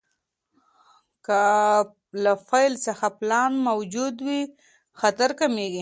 که له پیل څخه پلان موجود وي، خطر کمېږي.